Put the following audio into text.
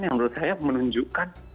yang menurut saya menunjukkan